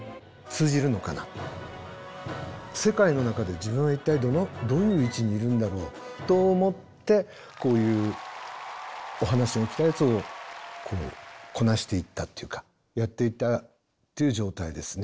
世界の中で自分は一体どういう位置にいるんだろうと思ってこういうお話が来たやつをこなしていったというかやっていったという状態ですね。